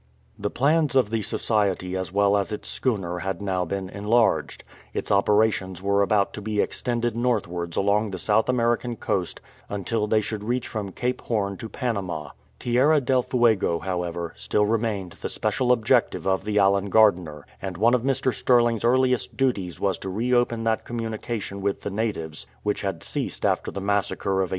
The plans of the Society as well as its schooner had now been enlarged. Its operations were about to be 264 THE NEW EXPEDITION extended northwards along the South American coast until they should reach from Cape Horn to Panama. Tierra del Fuego, however, still remained the special objective of the Allen Gardiner^ and one of Mr. Stirling's earliest duties was to reopen that communication with the natives which had ceased after the massacre of 1859.